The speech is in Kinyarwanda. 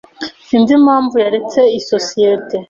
Sinzi impamvu yaretse isosiyete.